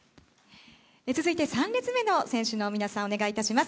続いて、３列目の選手の皆さん、お願いいたします。